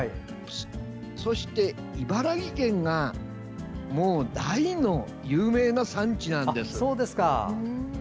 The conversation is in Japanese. そして、茨城県が大の有名な産地なんです。